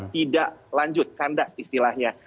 tidak lanjut kandas istilahnya